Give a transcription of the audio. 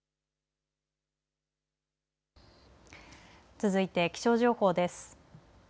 続いて気象情報です。